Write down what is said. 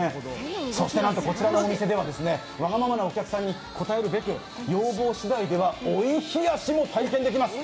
そしてなんとこちらのお店ではわがままなお客さんに応えるべく要望しだいでは追い冷やしも体験できます。